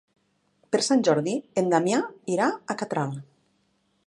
Per Sant Jordi en Damià irà a Catral.